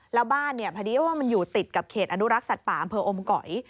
แล้วบ้านเนี่ยพอดีว่ามันอยู่ติดกับเขตอนุรักษ์สัตว์ป่าอำเภออมก๋อย